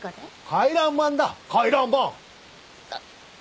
回覧板？